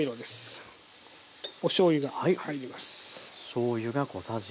おしょうゆが入ります。